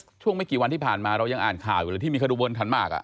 ช่วงไม่กี่วันที่ผ่านมาเรายังอ่านข่าวอยู่เลยที่มีขบวนขันหมาก